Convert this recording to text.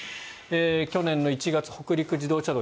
去年の１月、北陸自動車道